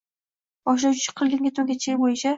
Boshlovchi chiqilgan ketma-ketlik bo‘yicha